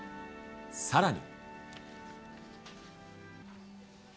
さらに。